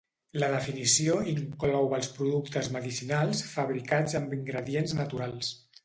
La definició inclou els productes medicinals fabricats amb ingredients naturals.